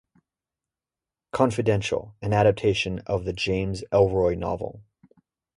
Confidential, an adaptation of the James Ellroy novel.